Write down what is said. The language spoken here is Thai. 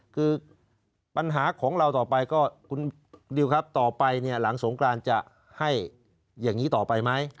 คือปัญหาของเราต่อไปต่อไปหลังสงการจะให้อย่างนี้ต่อไปมั้ย